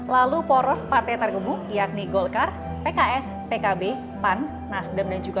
lalu poros partai tergembung yakni golkar pks pkb pan nasdem dan juga p tiga